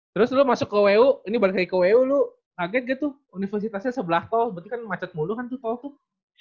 terus lo masuk ke wu ini balik lagi ke wu lo kaget ga tuh universitasnya sebelah toh berarti kan macet mulu kan tuh toh tuh